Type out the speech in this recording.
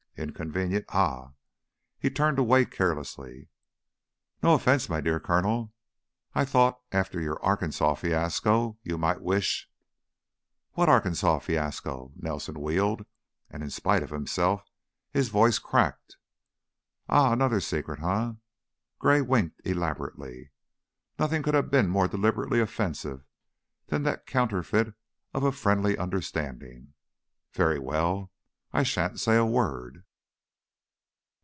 "Inconvenient! Ha!" He turned away carelessly. "No offense, my dear Colonel. I thought, after your Arkansas fiasco, you might wish " "What Arkansas fiasco?" Nelson wheeled, and in spite of himself his voice cracked. "Ah! Another secret, eh?" Gray winked elaborately nothing could have been more deliberately offensive than that counterfeit of a friendly understanding. "Very well, I sha'n't say a word."